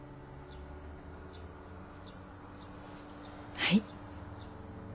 はい。